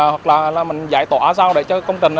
hoặc là mình giải tỏa sao để cho công trình